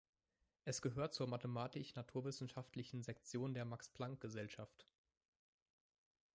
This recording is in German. Es gehört zur mathematisch-naturwissenschaftlichen Sektion der Max-Planck-Gesellschaft.